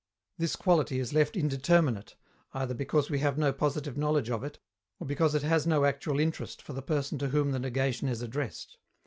This quality is left indeterminate, either because we have no positive knowledge of it, or because it has no actual interest for the person to whom the negation is addressed.